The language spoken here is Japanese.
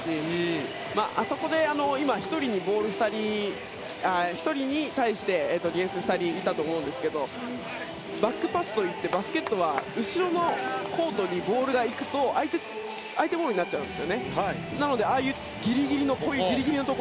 あそこで今１人に対してディフェンス２人いたと思うんですけどバックパスといってバスケットボールは後ろのコートにボールが行くと相手ボールになっちゃうんですよね。